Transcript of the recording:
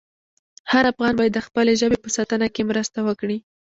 هر افغان باید د خپلې ژبې په ساتنه کې مرسته وکړي.